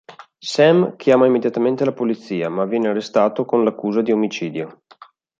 Sam chiama immediatamente la Polizia, ma viene arrestato con l'accusa di omicidio.